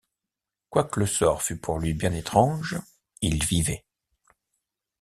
Quoique le sort fût pour lui bien étrange, Il vivait.